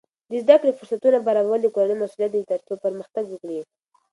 د زده کړې فرصتونه برابرول د کورنۍ مسؤلیت دی ترڅو پرمختګ وکړي.